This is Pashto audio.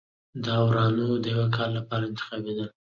داورانو د یوه کال لپاره انتخابېدل.